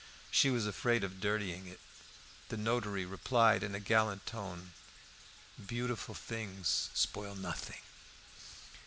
She was afraid of dirtying it. The notary replied in a gallant tone "Beautiful things spoil nothing."